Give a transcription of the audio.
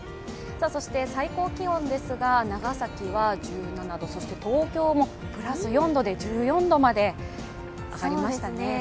そして、最高気温ですが長崎は１７度、そして東京もプラス４度で１４度まで上がりましたね。